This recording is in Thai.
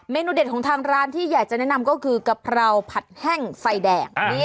เนนูเด็ดของทางร้านที่อยากจะแนะนำก็คือกะเพราผัดแห้งไฟแดง